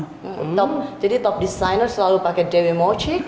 top jadi top designer selalu pakai dewi moci